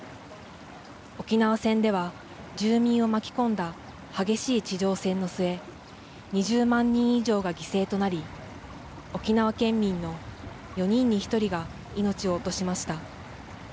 沖縄戦では住民を巻き込んだ激しい地上戦の末、２０万人以上が犠牲となり、沖縄県民の４人に１人が命を落としました。